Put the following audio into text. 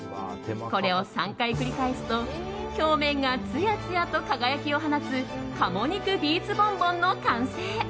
これを３回繰り返すと表面がつやつやと輝きを放つ鴨肉ビーツボンボンの完成。